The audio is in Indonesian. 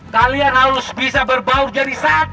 kalian harus bisa berbaur jadi satu